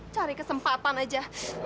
cari kesempatan aja